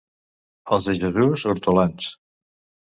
Els de Jesús, hortolans.